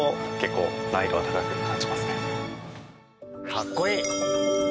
かっこいい！